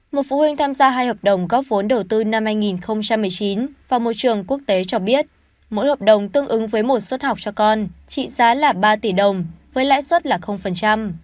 một phụ huynh tham gia hai hợp đồng góp vốn đầu tư năm hai nghìn một mươi chín và môi trường quốc tế cho biết mỗi hợp đồng tương ứng với một suất học cho con trị giá là ba tỷ đồng với lãi suất là